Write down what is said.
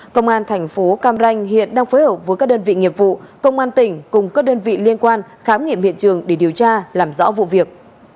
công an thành phố cam ranh hiện đang phối hợp với các đơn vị nghiệp vụ công an tỉnh cùng các đơn vị liên quan khám nghiệm hiện trường để điều tra làm rõ vụ việc